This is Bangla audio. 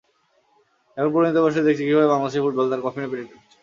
এখন পরিণত বয়সে দেখছি কীভাবে বাংলাদেশের ফুটবল তার কফিনে পেরেক ঠুকছে।